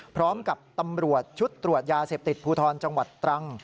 พร้อมกับตำรวจชุดตรวจยาเสพติดภูทรจังหวัดตรัง